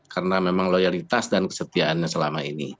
karena memang loyalitas dan kesetiaannya selama ini